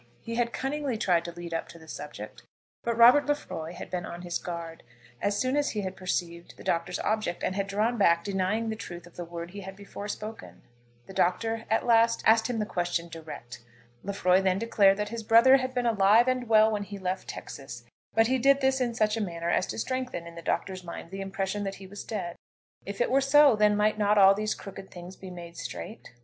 He had cunningly tried to lead up to the subject, but Robert Lefroy had been on his guard as soon as he had perceived the Doctor's object, and had drawn back, denying the truth of the word he had before spoken. The Doctor at last asked him the question direct. Lefroy then declared that his brother had been alive and well when he left Texas, but he did this in such a manner as to strengthen in the Doctor's mind the impression that he was dead. If it were so, then might not all these crooked things be made straight?